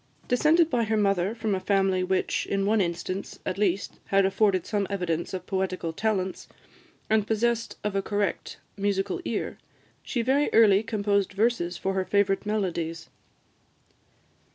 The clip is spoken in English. Descended by her mother from a family which, in one instance, at least, had afforded some evidence of poetical talents, and possessed of a correct musical ear, she very early composed verses for her favourite melodies.